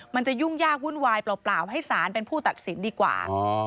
มันจะยุ่งยากวุ่นวายเปล่าให้สารเป็นผู้ตัดสินดีกว่า